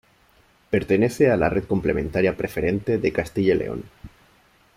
Pertenece a la Red Complementaria Preferente de Castilla y León.